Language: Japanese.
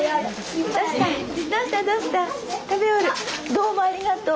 どうもありがとう。